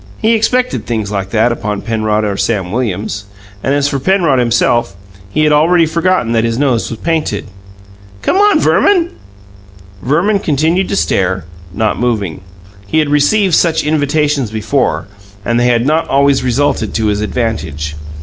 He expected things like that upon Penrod or Sam Williams. And as for Penrod himself, he had already forgotten that his nose was painted. "Come on, Verman!" Verman continued to stare, not moving. He had received such invitations before, and they had not always resulted to his advantage.